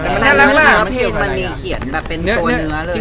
เพลงมันมีเขียนแบบเป็นตัวเนื้อเลย